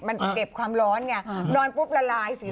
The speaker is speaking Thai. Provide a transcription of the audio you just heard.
มันเก็บความร้อนนี่นอนปุ๊บละลายคลิป